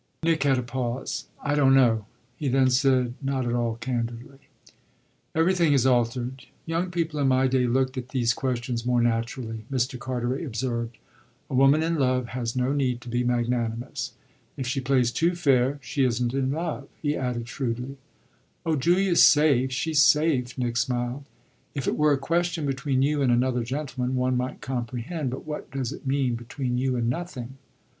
Nick had a pause. "I don't know!" he then said not at all candidly. "Everything has altered: young people in my day looked at these questions more naturally," Mr. Carteret observed. "A woman in love has no need to be magnanimous. If she plays too fair she isn't in love," he added shrewdly. "Oh, Julia's safe she's safe," Nick smiled. "If it were a question between you and another gentleman one might comprehend. But what does it mean, between you and nothing?"